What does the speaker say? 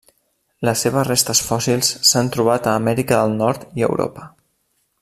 Les seves restes fòssils s'han trobat a Amèrica del Nord i Europa.